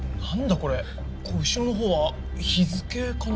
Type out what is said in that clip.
この後ろのほうは日付かな？